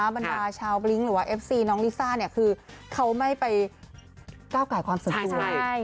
อู๋ลิซ่าเนี่ยคือเขาไม่ไปก้าวกายความสนทรวย